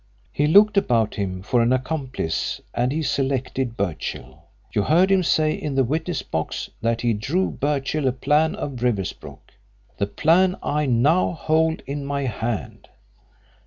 He looked about him for an accomplice and he selected Birchill. You heard him say in the witness box that he drew Birchill a plan of Riversbrook the plan I now hold in my hand.